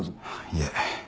いえ